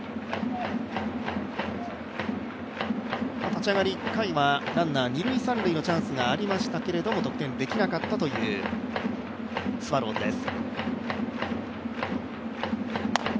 立ち上がり１回はランナー二塁・三塁のチャンスがありましたが得点できなかったというスワローズです。